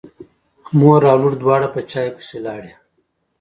مور او لور دواړه په چای پسې لاړې.